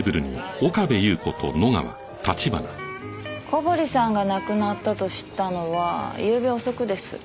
小堀さんが亡くなったと知ったのはゆうべ遅くです。